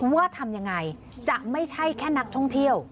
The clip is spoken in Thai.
ว่าทำยังไงจะไม่ใช่แค่นักท่องเที่ยว